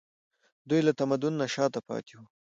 دوی د تمدن نه شاته پاتې وو